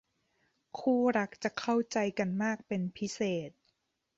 คู่รักจะเข้าใจกันมากเป็นพิเศษ